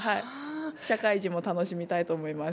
社会人も楽しみたいと思います。